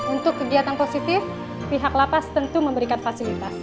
untuk kegiatan positif pihak lapas tentu memberikan fasilitas